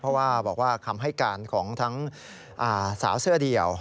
เพราะว่าบอกว่าคำให้การของทั้งสาวเสื้อเดี่ยว